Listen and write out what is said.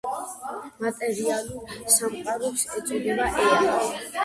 მატერიალურ სამყაროს ეწოდება „ეა“.